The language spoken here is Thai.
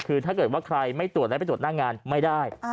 คือถ้าเกิดว่าใครไม่ตรวจแล้วไปตรวจหน้างานไม่ได้